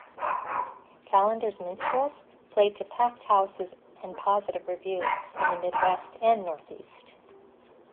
Callender's Minstrels played to packed houses and positive reviews in the Midwest and Northeast.